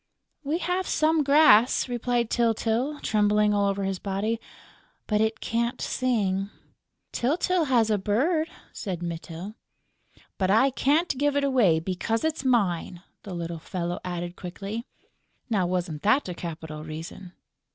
"We have some grass," replied Tyltyl, trembling all over his body, "but it can't sing...." "Tyltyl has a bird," said Mytyl. "But I can't give it away, because it's mine," the little fellow added, quickly. Now wasn't that a capital reason?